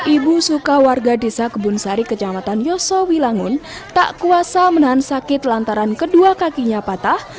ibu suka warga desa kebun sari kecamatan yosowi langun tak kuasa menahan sakit lantaran kedua kakinya patah